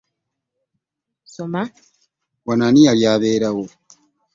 Wano ani yali abeera wo?